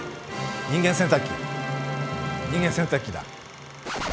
人間洗濯機人間洗濯機だ。